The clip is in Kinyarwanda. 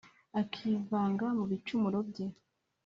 akivanga mu bicumuro bye